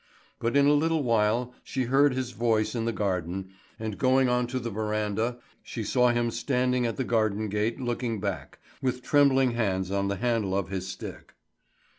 But in a little while she heard his voice in the garden, and going on to the verandah, she saw him standing at the garden gate looking back, with trembling hands on the handle of his stick.